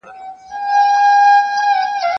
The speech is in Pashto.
ملي يووالي ستر بدلونونه راوستل.